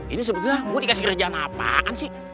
ini sebetulnya gue dikasih kerjaan apaan sih